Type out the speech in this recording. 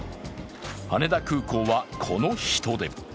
羽田空港はこの人出。